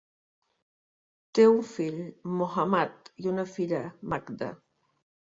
Té un fill, Mohammad, i una filla, Magda.